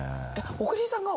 小栗さんが。